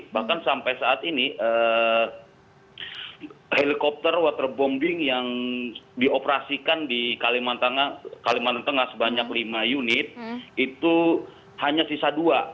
bahkan sampai saat ini helikopter waterbombing yang dioperasikan di kalimantan tengah sebanyak lima unit itu hanya sisa dua